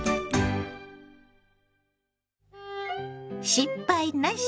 「失敗なし！